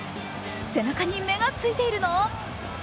背中に目がついているの？